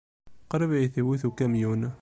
Qrib ay t-iwit ukamyun.